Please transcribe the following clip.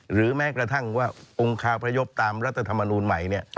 หรือแม้กระทั่งว่าองค์คาพยพตามรัฐธรรมนูลใหม่